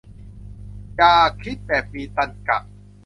อยากคิดแบบมีตรรกะ